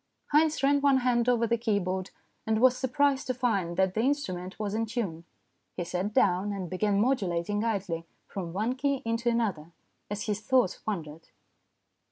Haynes ran one hand over the keyboard, and was surprised to find that the instrument was in tune. He sat down, and began modulating idly from one key into another, as his thoughts wandered.